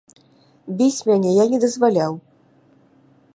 Біць мяне я не дазваляў.